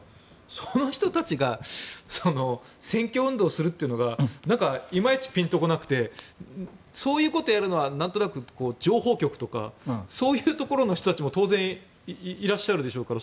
その人たちが選挙運動をするというのがいまいちピンとこなくてそういうことをやるのはなんとなく、情報局とかそういうところの人たちも当然いらっしゃるでしょうから